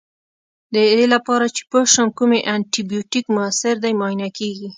دې لپاره چې پوه شو کوم انټي بیوټیک موثر دی معاینه کیږي.